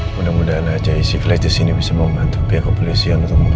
mudah mudahan aja si flash disini bisa membantu pihak polisi yang mengejalan kasus gue